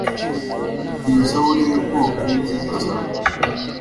Iyo sabune yo koga ni nziza cyane